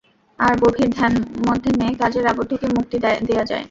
আর গভীর ধ্যান মধ্যেমে কাজের আবদ্ধ কে মুক্তি দেয় যায়।